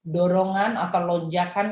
dorongan atau lonjakan